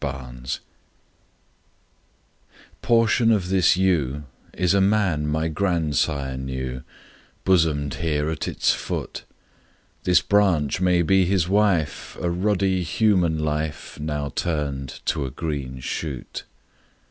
TRANSFORMATIONS PORTION of this yew Is a man my grandsire knew, Bosomed here at its foot: This branch may be his wife, A ruddy human life Now turned to a green shoot.